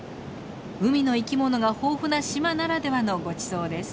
海の生き物が豊富な島ならではのごちそうです。